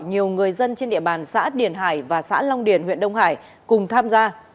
nhiều người dân trên địa bàn xã điển hải và xã long điền huyện đông hải cùng tham gia